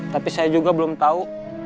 tapi saya juga belum tahu